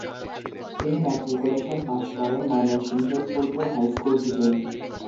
তিনি matriculation pass করেন ময়মনসিংহের ফুলপুর হাইস্কুল থেকে।